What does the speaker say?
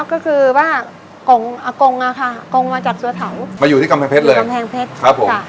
หมูมาจากสวนเทามาอยู่ที่กำแพงเพชรเลยครับผม